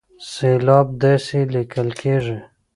سېلاب داسې ليکل کېږي